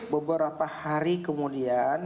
beberapa hari kemudian